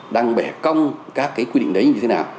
đang bẻ công các cái quy định đấy như thế nào